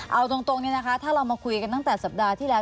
เอาตรงนี้นะคะถ้าเรามาคุยกันตั้งแต่สัปดาห์ที่แล้ว